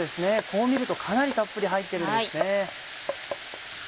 こう見るとかなりたっぷり入ってるんですね。